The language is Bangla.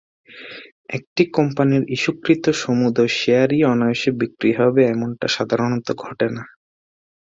একটি কোম্পানির ইস্যুকৃত সমুদয় শেয়ারই অনায়াসে বিক্রয় হবে এমনটা সাধারণত ঘটে না।